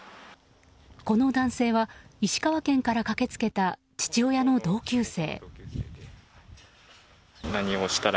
この男性は石川県から駆け付けた父親の同級生。